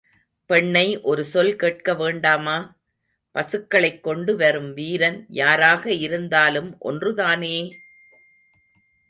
பெண்ணை ஒரு சொல் கேட்க வேண்டாமா? பசுக்களைக் கொண்டு வரும் வீரன் யாராக இருந்தாலும் ஒன்று தானே!